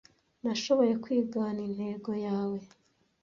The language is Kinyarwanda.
nashoboye kwigana intego yawe